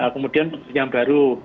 kemudian yang baru